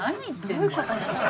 どういう事ですか？